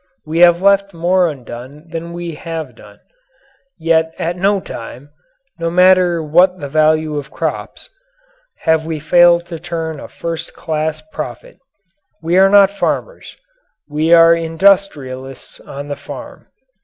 We have left more undone than we have done. Yet at no time no matter what the value of crops have we failed to turn a first class profit. We are not farmers we are industrialists on the farm.